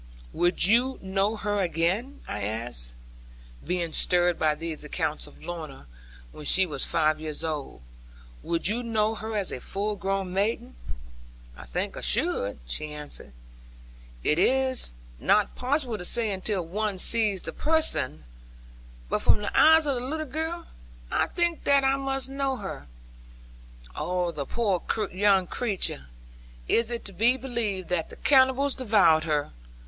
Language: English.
'Would you know her again?' I asked, being stirred by these accounts of Lorna, when she was five years old: 'would you know her as a full grown maiden?' 'I think I should,' she answered; 'it is not possible to say until one sees the person; but from the eyes of the little girl, I think that I must know her. Oh, the poor young creature! Is it to be believed that the cannibals devoured her!